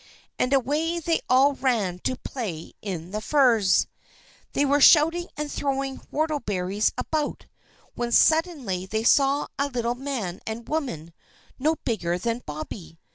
And away they all ran to play in the furze. They were shouting and throwing whortleberries about, when suddenly they saw a little man and woman no bigger than Bobby.